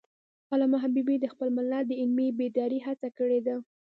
علامه حبیبي د خپل ملت د علمي بیدارۍ هڅه کړی ده.